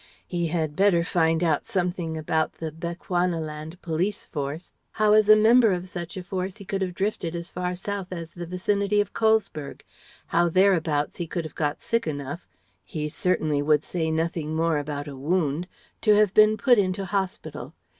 He had better find out something about the Bechuanaland Police Force; how as a member of such a force he could have drifted as far south as the vicinity of Colesberg; how thereabouts he could have got sick enough he certainly would say nothing more about a wound to have been put into hospital.